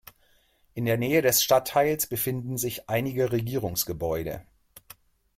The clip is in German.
In der Nähe des Stadtteils befinden sich einige Regierungsgebäude.